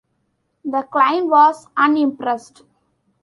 The client was unimpressed.